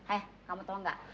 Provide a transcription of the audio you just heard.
eh kamu tau nggak